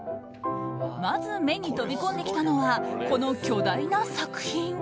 まず目に飛び込んできたのはこの巨大な作品。